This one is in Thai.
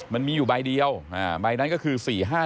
มันมีอยู่ใบเดียวไหนหนัก็คือ๔๕๑๐๐๕